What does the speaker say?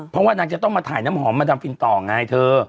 เพราะว่านางจะต้องมาถ่ายน้ำหอมมาทำฟินต่อไงเธอ